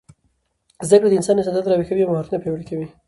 زده کړه د انسان استعداد راویښوي او مهارتونه پیاوړي کوي.